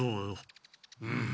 うん。